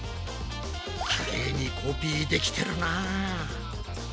きれいにコピーできてるな。